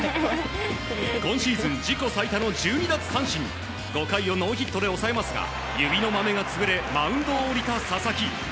今シーズン自己最多の１２奪三振５回をノーヒットで抑えますが指のマメが潰れマウンドを降りた佐々木。